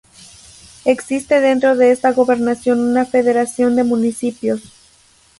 Existe dentro de esta gobernación una federación de municipios.